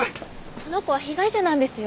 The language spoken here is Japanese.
この子は被害者なんですよ。